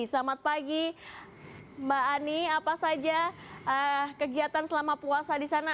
selamat pagi mbak ani apa saja kegiatan selama puasa di sana